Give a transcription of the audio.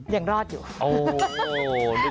ยังรอดอยู่